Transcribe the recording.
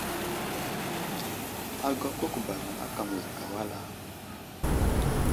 Agakwákw bala aka məzakay wal a ?